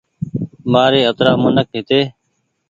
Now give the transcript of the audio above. مآري اَترآ منک هيتي